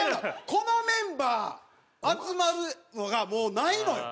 このメンバー集まるのがもうないのよ。